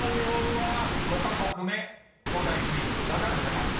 ［５カ国目東大チーム分かる方。